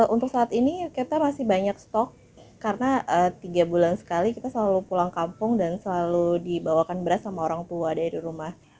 untuk saat ini kita masih banyak stok karena tiga bulan sekali kita selalu pulang kampung dan selalu dibawakan beras sama orang tua dari rumah